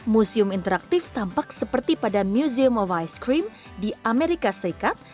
museum interaktif tampak seperti pada museum of ice cream di amerika serikat